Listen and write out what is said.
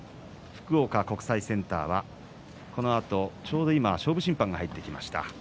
福岡国際センターはこのあとちょうど今勝負審判が入ってきました。